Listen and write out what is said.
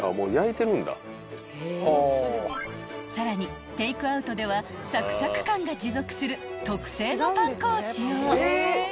［さらにテークアウトではサクサク感が持続する特製のパン粉を使用］